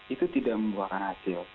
itu tidak membuahkan hasil